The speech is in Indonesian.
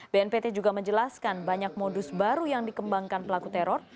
bnpt juga menjelaskan banyak modus baru yang dikembangkan pelaku teror